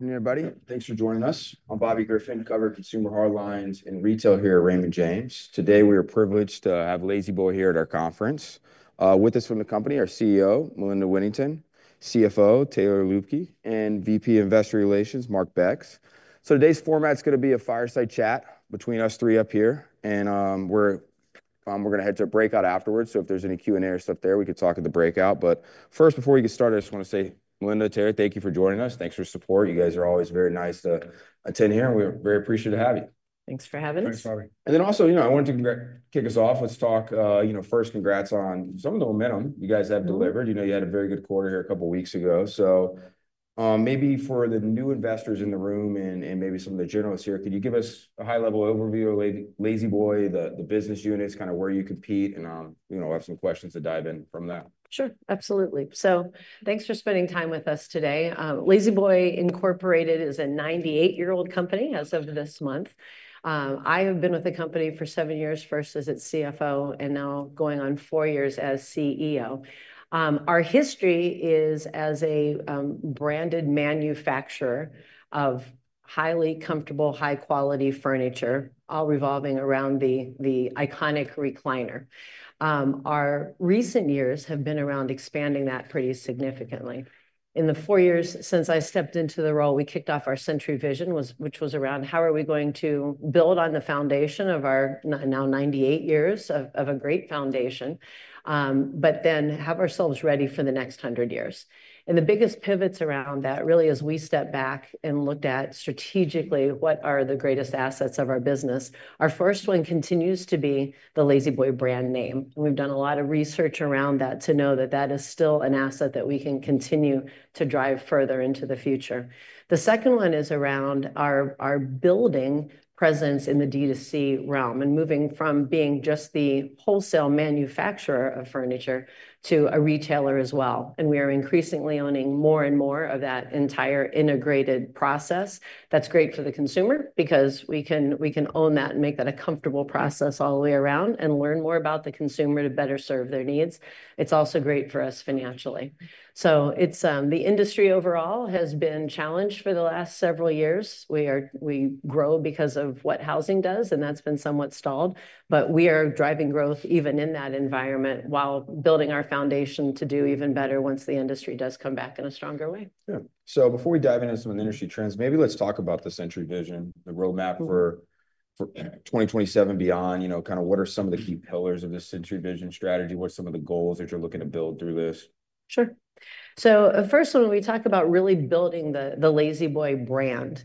Good evening, everybody. Thanks for joining us. I'm Bobby Griffin, cover consumer hard lines and retail here at Raymond James. Today, we are privileged to have La-Z-Boy here at our conference. With us from the company, our CEO, Melinda Whittington, CFO, Taylor Luebke, and VP Investor Relations, Mark Becks. Today's format's going to be a fireside chat between us three up here. We're going to head to a breakout afterwards. If there's any Q&A or stuff there, we could talk at the breakout. First, before we get started, I just want to say, Melinda, Taylor, thank you for joining us. Thanks for your support. You guys are always very nice to attend here. We're very appreciative to have you. Thanks for having us. Thanks, Bobby. You know, I wanted to kick us off. Let's talk, you know, first, congrats on some of the momentum you guys have delivered. You know, you had a very good quarter here a couple of weeks ago. Maybe for the new investors in the room and maybe some of the generalists here, could you give us a high-level overview of La-Z-Boy, the business units, kind of where you compete, and, you know, have some questions to dive in from that? Sure, absolutely. Thanks for spending time with us today. La-Z-Boy Incorporated is a 98-year-old company as of this month. I have been with the company for seven years, first as its CFO, and now going on four years as CEO. Our history is as a branded manufacturer of highly comfortable, high-quality furniture, all revolving around the iconic recliner. Our recent years have been around expanding that pretty significantly. In the four years since I stepped into the role, we kicked off our Century Vision, which was around how are we going to build on the foundation of our now 98 years of a great foundation, but then have ourselves ready for the next 100 years. The biggest pivots around that really is we step back and look at strategically what are the greatest assets of our business. Our first one continues to be the La-Z-Boy brand name. We have done a lot of research around that to know that that is still an asset that we can continue to drive further into the future. The second one is around our building presence in the D2C realm and moving from being just the wholesale manufacturer of furniture to a retailer as well. We are increasingly owning more and more of that entire integrated process. That is great for the consumer because we can own that and make that a comfortable process all the way around and learn more about the consumer to better serve their needs. It is also great for us financially. The industry overall has been challenged for the last several years. We grow because of what housing does, and that has been somewhat stalled. We are driving growth even in that environment while building our foundation to do even better once the industry does come back in a stronger way. Yeah. Before we dive into some of the industry trends, maybe let's talk about the Century Vision, the roadmap for 2027 and beyond, you know, kind of what are some of the key pillars of this Century Vision strategy? What are some of the goals that you're looking to build through this? Sure. First, when we talk about really building the La-Z-Boy brand,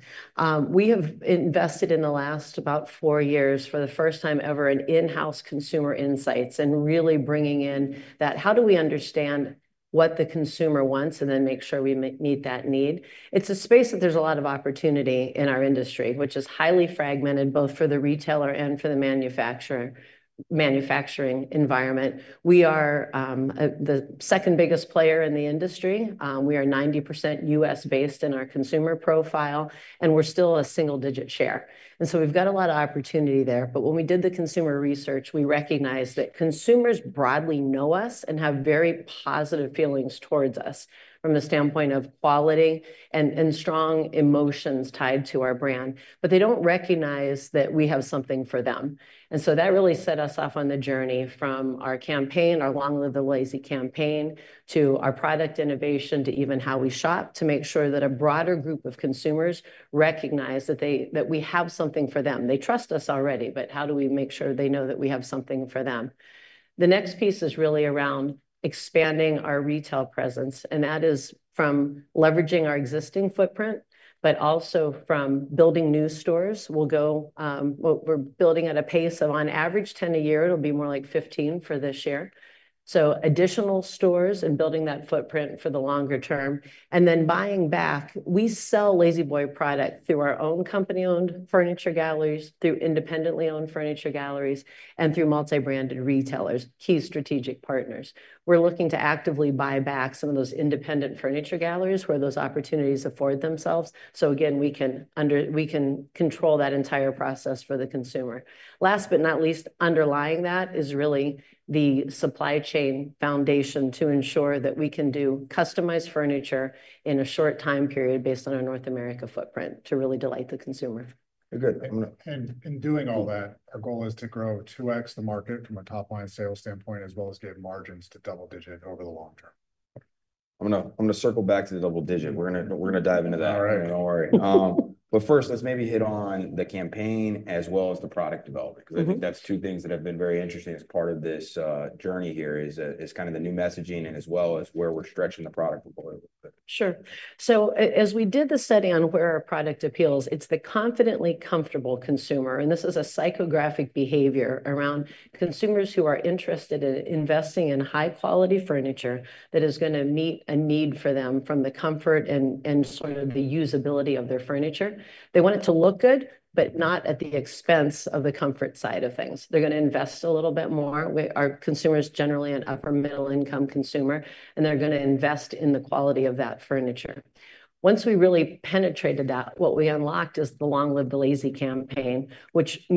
we have invested in the last about four years for the first time ever in in-house consumer insights and really bringing in that how do we understand what the consumer wants and then make sure we meet that need. It's a space that there's a lot of opportunity in our industry, which is highly fragmented both for the retailer and for the manufacturing environment. We are the second biggest player in the industry. We are 90% U.S.-based in our consumer profile, and we're still a single-digit share. We have a lot of opportunity there. When we did the consumer research, we recognized that consumers broadly know us and have very positive feelings towards us from the standpoint of quality and strong emotions tied to our brand. They don't recognize that we have something for them. That really set us off on the journey from our campaign, our Long Live the Lazy campaign, to our product innovation, to even how we shop to make sure that a broader group of consumers recognize that we have something for them. They trust us already, but how do we make sure they know that we have something for them? The next piece is really around expanding our retail presence. That is from leveraging our existing footprint, but also from building new stores. We're building at a pace of, on average, 10 a year. It will be more like 15 for this year. Additional stores and building that footprint for the longer term. We sell La-Z-Boy product through our own company-owned furniture galleries, through independently owned furniture galleries, and through multi-branded retailers, key strategic partners. We are looking to actively buy back some of those independent furniture galleries where those opportunities afford themselves. Again, we can control that entire process for the consumer. Last but not least, underlying that is really the supply chain foundation to ensure that we can do customized furniture in a short time period based on our North America footprint to really delight the consumer. Good. In doing all that, our goal is to grow 2X the market from a top-line sales standpoint as well as get margins to double-digit over the long term. I am going to circle back to the double-digit. We are going to dive into that. Do not worry. First, let's maybe hit on the campaign as well as the product development because I think that is two things that have been very interesting as part of this journey here is kind of the new messaging and as well as where we are stretching the product a little bit. Sure. As we did the study on where our product appeals, it's the confidently comfortable consumer. This is a psychographic behavior around consumers who are interested in investing in high-quality furniture that is going to meet a need for them from the comfort and sort of the usability of their furniture. They want it to look good, but not at the expense of the comfort side of things. They're going to invest a little bit more. Our consumer is generally an upper-middle-income consumer, and they're going to invest in the quality of that furniture. Once we really penetrated that, what we unlocked is the Long Live the Lazy campaign, which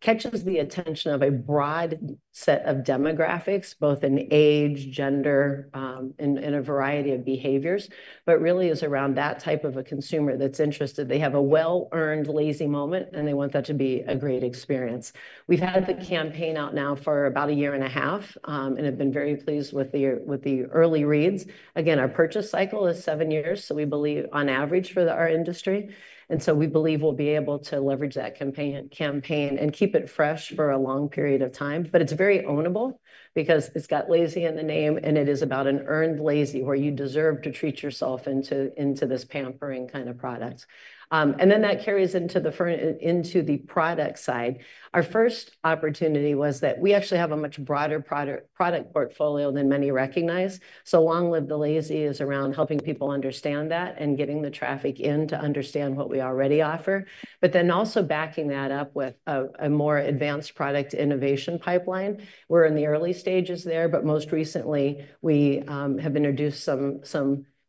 catches the attention of a broad set of demographics, both in age, gender, and a variety of behaviors, but really is around that type of a consumer that's interested. They have a well-earned lazy moment, and they want that to be a great experience. We've had the campaign out now for about a year and a half and have been very pleased with the early reads. Again, our purchase cycle is seven years, so we believe on average for our industry. We believe we'll be able to leverage that campaign and keep it fresh for a long period of time. It is very ownable because it's got lazy in the name, and it is about an earned lazy where you deserve to treat yourself into this pampering kind of product. That carries into the product side. Our first opportunity was that we actually have a much broader product portfolio than many recognize. Long Live the Lazy campaign is around helping people understand that and getting the traffic in to understand what we already offer. But then also backing that up with a more advanced product innovation pipeline. We're in the early stages there, but most recently, we have introduced some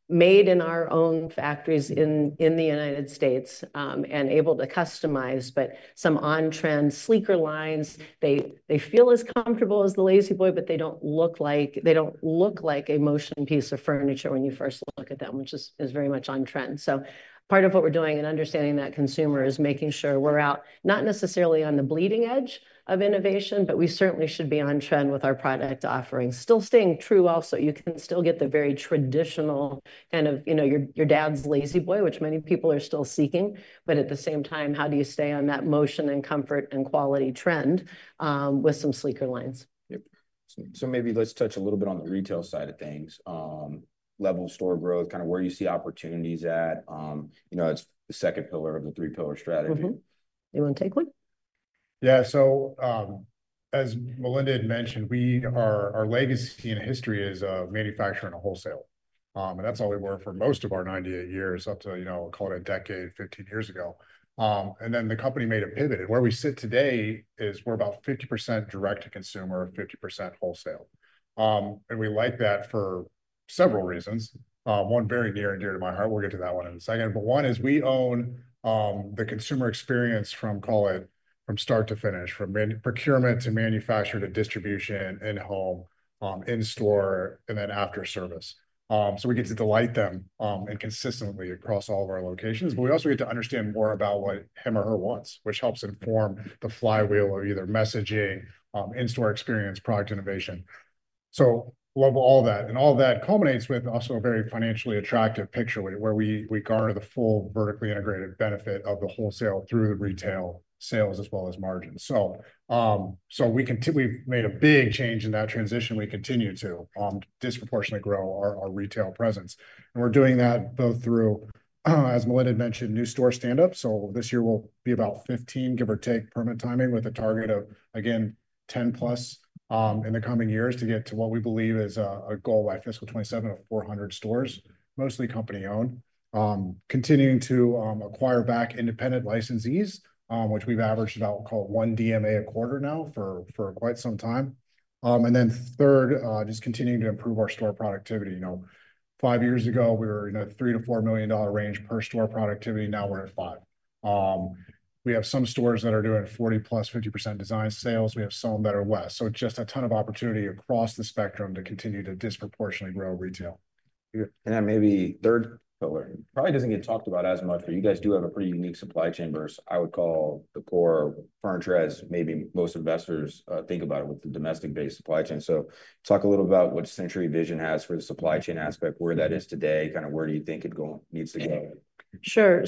made-in-our-own factories in the United States and able to customize, but some on-trend sleeker lines. They feel as comfortable as the La-Z-Boy, but they don't look like a motion piece of furniture when you first look at them, which is very much on-trend. Part of what we're doing in understanding that consumer is making sure we're out not necessarily on the bleeding edge of innovation, but we certainly should be on-trend with our product offering, still staying true also you can still get the very traditional kind of, you know, your dad's La-Z-Boy, which many people are still seeking. At the same time, how do you stay on that motion and comfort and quality trend with some sleeker lines? Maybe let's touch a little bit on the retail side of things, level of store growth, kind of where you see opportunities at. You know, it's the second pillar of the three-pillar strategy. You want to take one? Yeah. As Melinda had mentioned, our legacy and history is of manufacturing and wholesale. That is all we were for most of our 98 years up to, you know, call it a decade, 15 years ago. The company made a pivot. Where we sit today is we are about 50% direct-to-consumer, 50% wholesale. We like that for several reasons. One, very near and dear to my heart. We will get to that one in a second. One is we own the consumer experience from, call it from start to finish, from procurement to manufacture to distribution, in-home, in-store, and then after service. We get to delight them consistently across all of our locations. We also get to understand more about what him or her wants, which helps inform the flywheel of either messaging, in-store experience, product innovation. Love all that. All that culminates with also a very financially attractive picture where we garner the full vertically integrated benefit of the wholesale through the retail sales as well as margins. We have made a big change in that transition. We continue to disproportionately grow our retail presence. We are doing that both through, as Melinda had mentioned, new store standups. This year, we will be about 15, give or take, permanent timing with a target of, again, 10 plus in the coming years to get to what we believe is a goal by fiscal 2027 of 400 stores, mostly company-owned, continuing to acquire back independent licensees, which we have averaged about, we will call it one DMA a quarter now for quite some time. Third, just continuing to improve our store productivity. You know, five years ago, we were in a $3 million-$4 million range per store productivity. Now we're at five. We have some stores that are doing 40% plus, 50% design sales. We have some that are less. Just a ton of opportunity across the spectrum to continue to disproportionately grow retail. That may be third pillar. Probably doesn't get talked about as much, but you guys do have a pretty unique supply chain versus I would call the core furniture as maybe most investors think about it with the domestic-based supply chain. Talk a little about what Century Vision has for the supply chain aspect, where that is today, kind of where do you think it needs to go? Sure.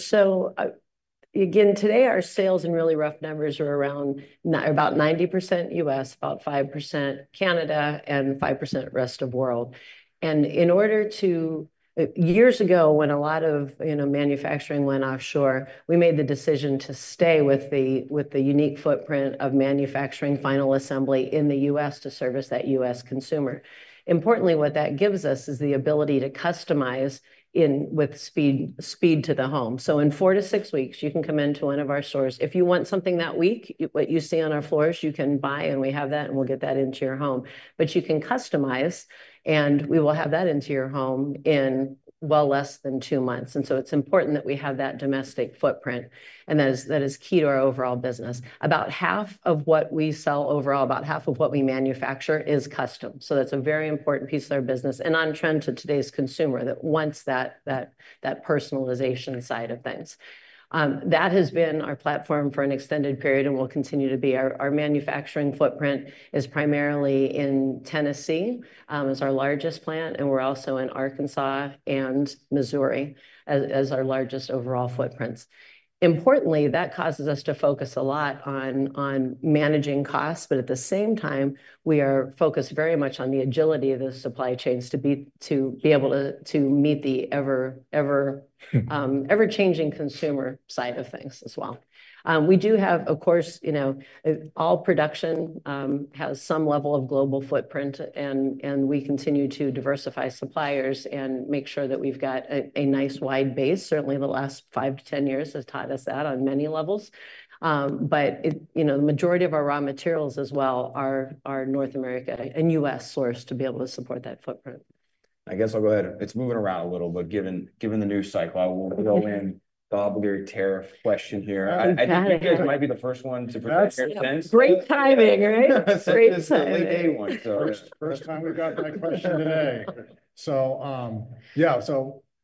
Again, today, our sales in really rough numbers are around about 90% U.S., about 5% Canada, and 5% rest of world. In order to years ago, when a lot of manufacturing went offshore, we made the decision to stay with the unique footprint of manufacturing final assembly in the U.S. to service that U.S. consumer. Importantly, what that gives us is the ability to customize with speed to the home. In four to six weeks, you can come into one of our stores. If you want something that week, what you see on our floors, you can buy, and we have that, and we'll get that into your home. You can customize, and we will have that into your home in well less than two months. It is important that we have that domestic footprint. That is key to our overall business. About half of what we sell overall, about half of what we manufacture is custom. That is a very important piece of our business and on-trend to today's consumer that wants that personalization side of things. That has been our platform for an extended period and will continue to be. Our manufacturing footprint is primarily in Tennessee as our largest plant, and we are also in Arkansas and Missouri as our largest overall footprints. Importantly, that causes us to focus a lot on managing costs, but at the same time, we are focused very much on the agility of the supply chains to be able to meet the ever-changing consumer side of things as well. We do have, of course, you know, all production has some level of global footprint, and we continue to diversify suppliers and make sure that we have got a nice wide base. Certainly, the last five to 10 years has taught us that on many levels. The majority of our raw materials as well are North America and U.S. source to be able to support that footprint. I guess I'll go ahead. It's moving around a little, but given the news cycle, we'll go in gobbledy-terrif question here. I think you guys might be the first one to present your sense. Great timing, right? It's the late day one. First time we've got that question today. Yeah,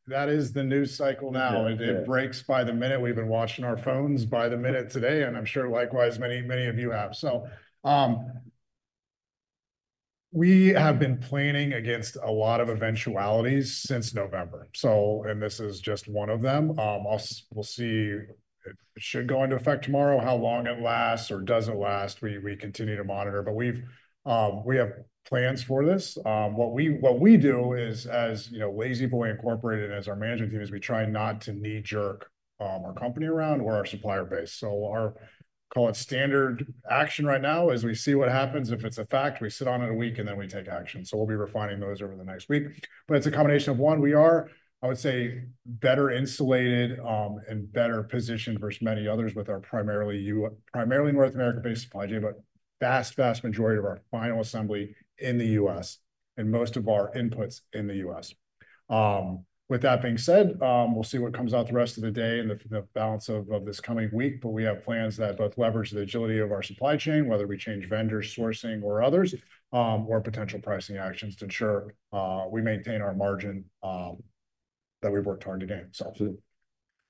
that is the news cycle now. It breaks by the minute. We've been watching our phones by the minute today, and I'm sure likewise many of you have. We have been planning against a lot of eventualities since November. This is just one of them. We'll see. It should go into effect tomorrow. How long it lasts or doesn't last, we continue to monitor. We have plans for this. What we do is, as La-Z-Boy Incorporated and as our management team is, we try not to knee-jerk our company around or our supplier base. Our, call it, standard action right now is we see what happens. If it's a fact, we sit on it a week, and then we take action. We'll be refining those over the next week. It is a combination of one. We are, I would say, better insulated and better positioned versus many others with our primarily North America-based supply chain, but vast, vast majority of our final assembly in the U.S. and most of our inputs in the U.S. With that being said, we will see what comes out the rest of the day and the balance of this coming week. We have plans that both leverage the agility of our supply chain, whether we change vendors, sourcing, or others, or potential pricing actions to ensure we maintain our margin that we have worked hard to gain.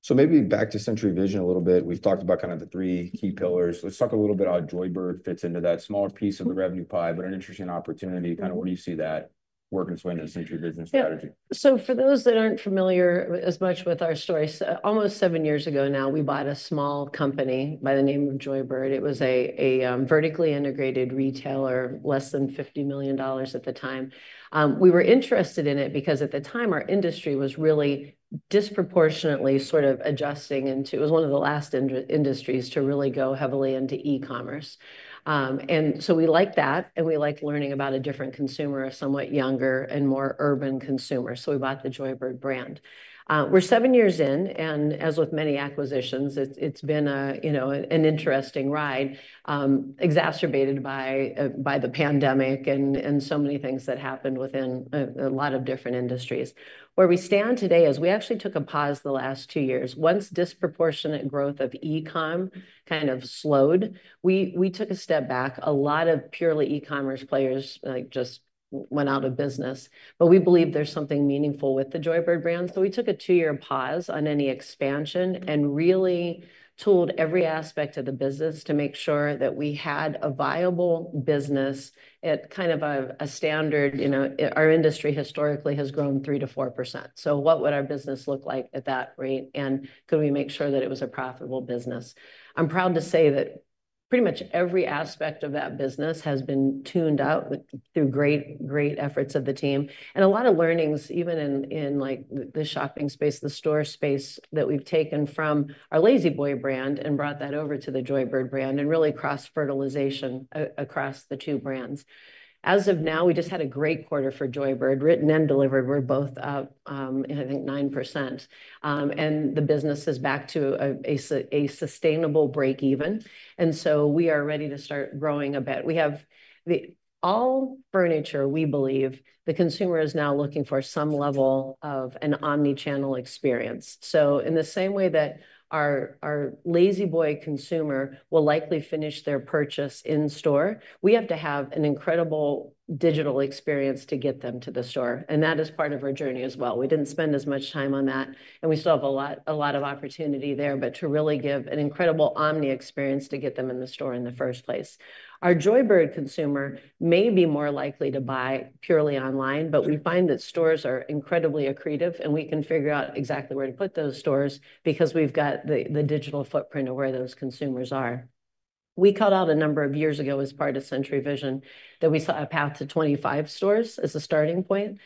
Maybe back to Century Vision a little bit. We've talked about kind of the three key pillars. Let's talk a little bit about Joybird fits into that smaller piece of the revenue pie, but an interesting opportunity. Kind of where do you see that working its way into the Century Vision strategy? For those that aren't familiar as much with our story, almost seven years ago now, we bought a small company by the name of Joybird. It was a vertically integrated retailer, less than $50 million at the time. We were interested in it because at the time, our industry was really disproportionately sort of adjusting into it was one of the last industries to really go heavily into e-commerce. We liked that, and we liked learning about a different consumer, a somewhat younger and more urban consumer. We bought the Joybird brand. We're seven years in, and as with many acquisitions, it's been an interesting ride exacerbated by the pandemic and so many things that happened within a lot of different industries. Where we stand today is we actually took a pause the last two years. Once disproportionate growth of e-com kind of slowed, we took a step back. A lot of purely e-commerce players just went out of business. We believe there's something meaningful with the Joybird brand. We took a two-year pause on any expansion and really tooled every aspect of the business to make sure that we had a viable business at kind of a standard. Our industry historically has grown 3-4%. What would our business look like at that rate? Could we make sure that it was a profitable business? I'm proud to say that pretty much every aspect of that business has been tuned out through great efforts of the team and a lot of learnings, even in the shopping space, the store space that we've taken from our La-Z-Boy brand and brought that over to the Joybird brand and really cross-fertilization across the two brands. As of now, we just had a great quarter for Joybird, written and delivered. We're both up, I think, 9%. The business is back to a sustainable break even. We are ready to start growing a bit. All furniture, we believe, the consumer is now looking for some level of an omnichannel experience. In the same way that our La-Z-Boy consumer will likely finish their purchase in store, we have to have an incredible digital experience to get them to the store. That is part of our journey as well. We did not spend as much time on that, and we still have a lot of opportunity there, but to really give an incredible omni experience to get them in the store in the first place. Our Joybird consumer may be more likely to buy purely online, but we find that stores are incredibly accretive, and we can figure out exactly where to put those stores because we have got the digital footprint of where those consumers are. We called out a number of years ago as part of Century Vision that we saw a path to 25 stores as a starting point.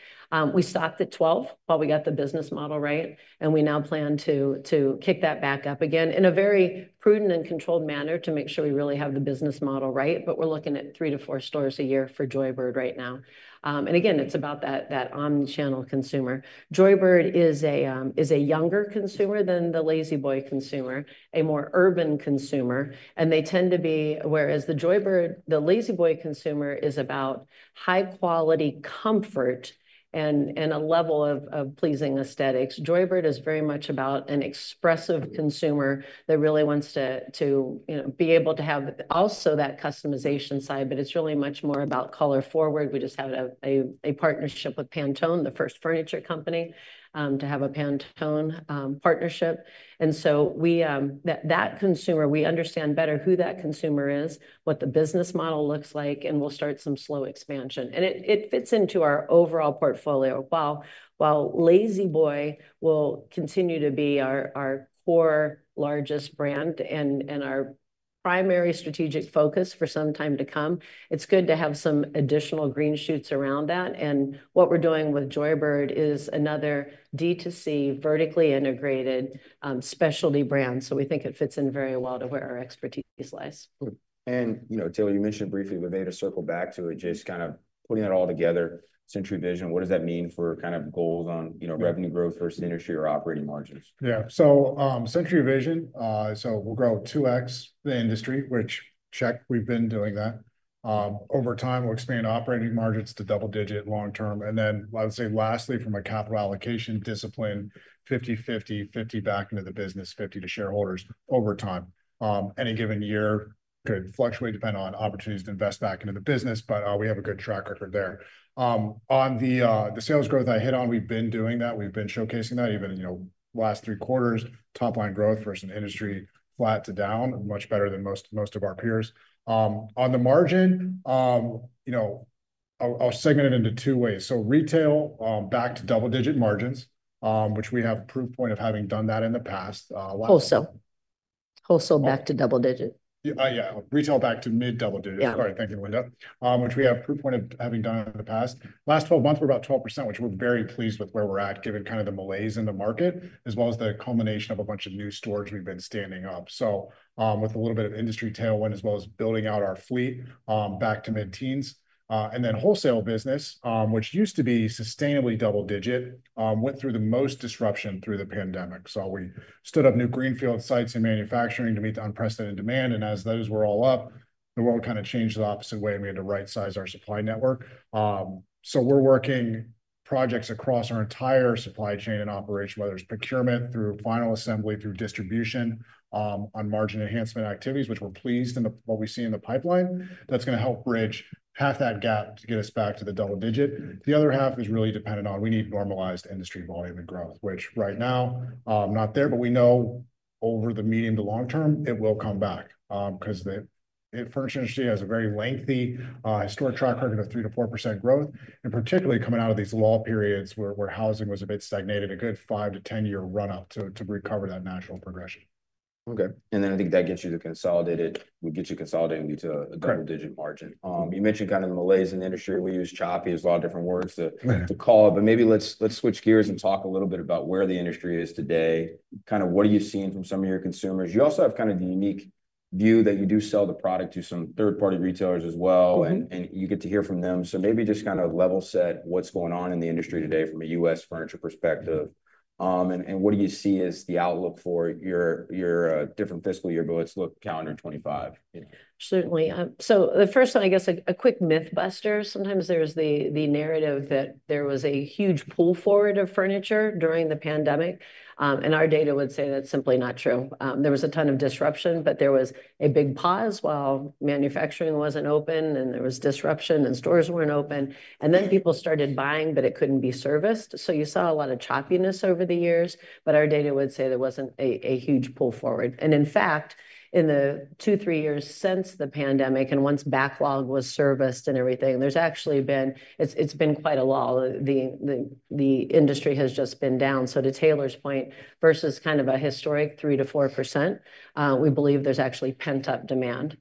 We stopped at 12 while we got the business model right, and we now plan to kick that back up again in a very prudent and controlled manner to make sure we really have the business model right. We're looking at three to four stores a year for Joybird right now. Again, it's about that omnichannel consumer. Joybird is a younger consumer than the La-Z-Boy consumer, a more urban consumer. They tend to be, whereas the Joybird, the La-Z-Boy consumer is about high-quality comfort and a level of pleasing aesthetics. Joybird is very much about an expressive consumer that really wants to be able to have also that customization side, but it's really much more about color forward. We just had a partnership with Pantone, the first furniture company to have a Pantone partnership. That consumer, we understand better who that consumer is, what the business model looks like, and we'll start some slow expansion. It fits into our overall portfolio. While La-Z-Boy will continue to be our core largest brand and our primary strategic focus for some time to come, it's good to have some additional green shoots around that. What we're doing with Joybird is another D2C vertically integrated specialty brand. We think it fits in very well to where our expertise lies. Taylor, you mentioned briefly with me to circle back to it, just kind of putting that all together, Century Vision, what does that mean for kind of goals on revenue growth versus industry or operating margins? Yeah. Century Vision, so we'll grow 2X the industry, which, check, we've been doing that. Over time, we'll expand operating margins to double digit long term. I would say lastly, from a capital allocation discipline, 50/50, 50 back into the business, 50 to shareholders over time. Any given year could fluctuate depending on opportunities to invest back into the business, but we have a good track record there. On the sales growth I hit on, we've been doing that. We've been showcasing that even in the last three quarters, top line growth versus industry flat to down, much better than most of our peers. On the margin, I'll segment it into two ways. Retail back to double digit margins, which we have proof point of having done that in the past. Wholesale. Wholesale back to double digit. Yeah. Retail back to mid double digit. Sorry. Thank you, Linda, which we have proof point of having done it in the past. Last 12 months, we're about 12%, which we're very pleased with where we're at given kind of the malaise in the market as well as the culmination of a bunch of new stores we've been standing up. With a little bit of industry tailwind as well as building out our fleet back to mid teens. Wholesale business, which used to be sustainably double digit, went through the most disruption through the pandemic. We stood up new greenfield sites in manufacturing to meet the unprecedented demand. As those were all up, the world kind of changed the opposite way. We had to right size our supply network. We're working projects across our entire supply chain and operation, whether it's procurement through final assembly, through distribution on margin enhancement activities, which we're pleased in what we see in the pipeline. That's going to help bridge half that gap to get us back to the double digit. The other half is really dependent on we need normalized industry volume and growth, which right now, not there, but we know over the medium to long term, it will come back because the furniture industry has a very lengthy historic track record of 3-4% growth, and particularly coming out of these lull periods where housing was a bit stagnated, a good 5-10 year run-up to recover that natural progression. Okay. And then I think that gets you to consolidate it. We get you consolidating into a double digit margin. You mentioned kind of the malaise in the industry. We use choppy. There's a lot of different words to call it, but maybe let's switch gears and talk a little bit about where the industry is today. Kind of what are you seeing from some of your consumers? You also have kind of the unique view that you do sell the product to some third-party retailers as well, and you get to hear from them. So maybe just kind of level set what's going on in the industry today from a U.S. furniture perspective. And what do you see as the outlook for your different fiscal year? But let's look calendar 2025. Certainly. The first one, I guess a quick myth buster. Sometimes there's the narrative that there was a huge pull forward of furniture during the pandemic. Our data would say that's simply not true. There was a ton of disruption, but there was a big pause while manufacturing wasn't open and there was disruption and stores weren't open. People started buying, but it couldn't be serviced. You saw a lot of choppiness over the years, but our data would say there wasn't a huge pull forward. In fact, in the two, three years since the pandemic and once backlog was serviced and everything, there's actually been quite a lull. The industry has just been down. To Taylor's point, versus kind of a historic 3%-4%, we believe there's actually pent-up demand.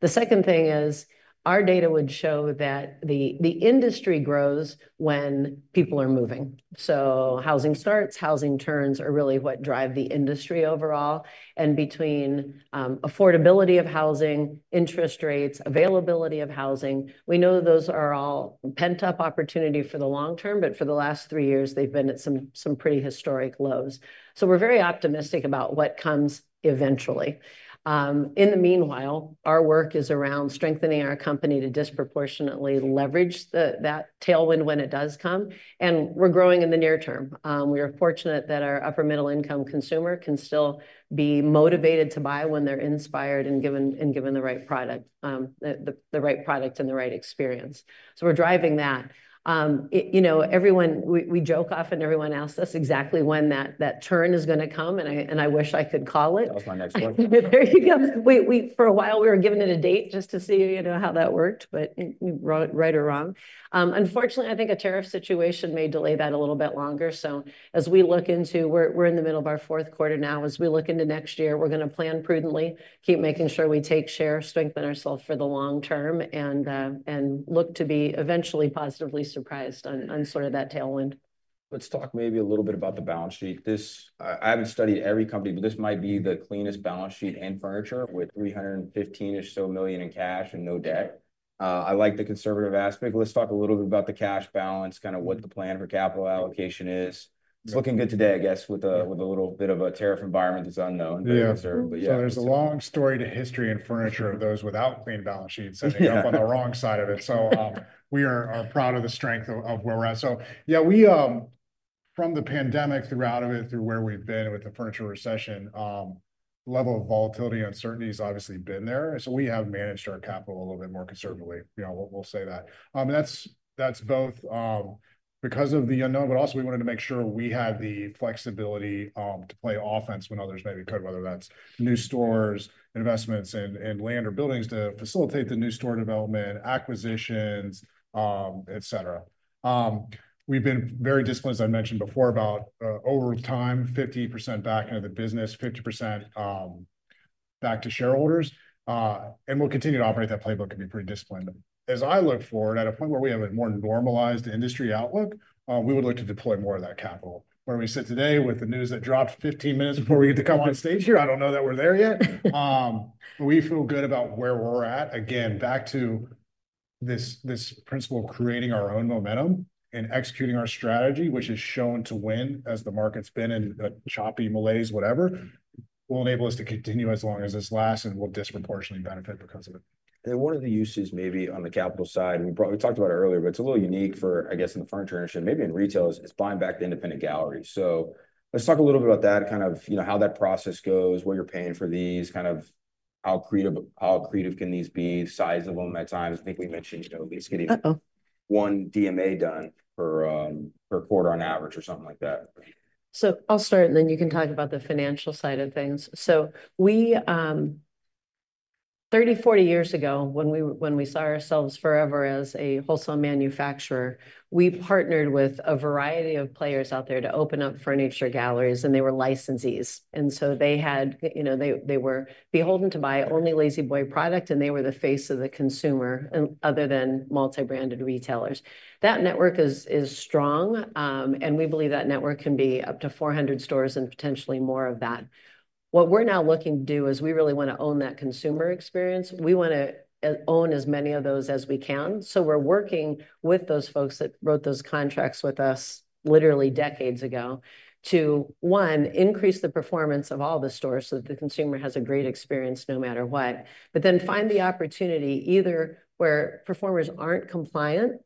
The second thing is our data would show that the industry grows when people are moving. Housing starts, housing turns are really what drive the industry overall. Between affordability of housing, interest rates, availability of housing, we know those are all pent-up opportunity for the long term. For the last three years, they've been at some pretty historic lows. We are very optimistic about what comes eventually. In the meanwhile, our work is around strengthening our company to disproportionately leverage that tailwind when it does come. We are growing in the near term. We are fortunate that our upper middle income consumer can still be motivated to buy when they're inspired and given the right product, the right product and the right experience. We are driving that. Everyone, we joke often everyone asks us exactly when that turn is going to come, and I wish I could call it. That was my next one. There you go. For a while, we were giving it a date just to see how that worked, but right or wrong. Unfortunately, I think a tariff situation may delay that a little bit longer. As we look into we're in the middle of our fourth quarter now. As we look into next year, we're going to plan prudently, keep making sure we take share, strengthen ourselves for the long term, and look to be eventually positively surprised on sort of that tailwind. Let's talk maybe a little bit about the balance sheet. I haven't studied every company, but this might be the cleanest balance sheet in furniture with $315 million or so in cash and no debt. I like the conservative aspect. Let's talk a little bit about the cash balance, kind of what the plan for capital allocation is. It's looking good today, I guess, with a little bit of a tariff environment that's unknown. Yeah. There is a long story to history in furniture of those without clean balance sheets ending up on the wrong side of it. We are proud of the strength of where we're at. From the pandemic throughout it, through where we've been with the furniture recession, level of volatility, uncertainties obviously been there. We have managed our capital a little bit more conservatively. We'll say that. That is both because of the unknown, but also we wanted to make sure we had the flexibility to play offense when others maybe could, whether that's new stores, investments in land or buildings to facilitate the new store development, acquisitions, etc. We've been very disciplined, as I mentioned before, about over time, 50% back into the business, 50% back to shareholders. We'll continue to operate that playbook and be pretty disciplined. As I look forward at a point where we have a more normalized industry outlook, we would look to deploy more of that capital. Where we sit today with the news that dropped 15 minutes before we get to come on stage here, I do not know that we are there yet. We feel good about where we are at. Again, back to this principle of creating our own momentum and executing our strategy, which has shown to win as the market has been in a choppy malaise, whatever, will enable us to continue as long as this lasts and will disproportionately benefit because of it. One of the uses maybe on the capital side, we talked about it earlier, but it's a little unique for, I guess, in the furniture industry, maybe in retail, is buying back the independent gallery. Let's talk a little bit about that, kind of how that process goes, what you're paying for these, kind of how creative can these be, size of them at times. I think we mentioned at least getting one DMA done per quarter on average or something like that. I'll start, and then you can talk about the financial side of things. Thirty, forty years ago, when we saw ourselves forever as a wholesale manufacturer, we partnered with a variety of players out there to open up furniture galleries, and they were licensees. They were beholden to buy only La-Z-Boy product, and they were the face of the consumer other than multi-branded retailers. That network is strong, and we believe that network can be up to 400 stores and potentially more than that. What we're now looking to do is we really want to own that consumer experience. We want to own as many of those as we can. We're working with those folks that wrote those contracts with us literally decades ago to, one, increase the performance of all the stores so that the consumer has a great experience no matter what, but then find the opportunity either where performers aren't compliant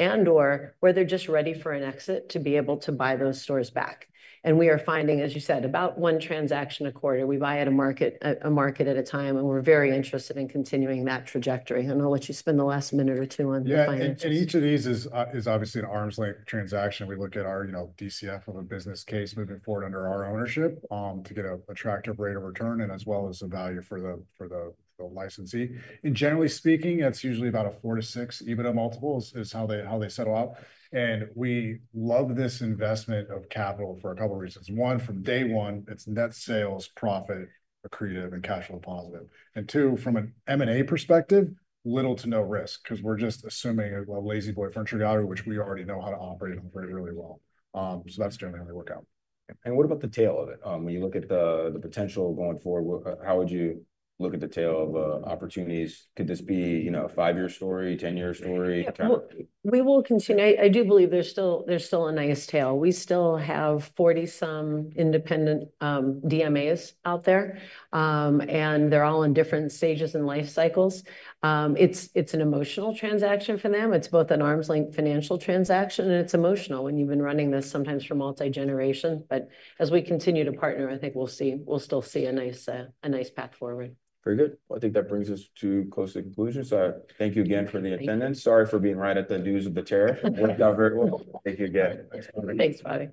and/or where they're just ready for an exit to be able to buy those stores back. We are finding, as you said, about one transaction a quarter. We buy at a market at a time, and we're very interested in continuing that trajectory. I know I'll let you spend the last minute or two on the financial. Yeah. Each of these is obviously an arm's length transaction. We look at our DCF of a business case moving forward under our ownership to get an attractive rate of return and as well as the value for the licensee. Generally speaking, that's usually about a four to six, even a multiple is how they settle out. We love this investment of capital for a couple of reasons. One, from day one, it's net sales, profit, accretive, and cash flow positive. Two, from an M&A perspective, little to no risk because we're just assuming a La-Z-Boy Furniture Gallery, which we already know how to operate on very, really well. That's generally how we work out. What about the tail of it? When you look at the potential going forward, how would you look at the tail of opportunities? Could this be a five-year story, 10-year story? We will continue. I do believe there's still a nice tail. We still have 40-some independent DMAs out there, and they're all in different stages and life cycles. It's an emotional transaction for them. It's both an arm's length financial transaction, and it's emotional when you've been running this sometimes for multi-generations. As we continue to partner, I think we'll still see a nice path forward. Very good. I think that brings us to close to conclusion. Thank you again for the attendance. Sorry for being right at the news of the tariff. Worked out very well. Thank you again. Thanks, Bobby.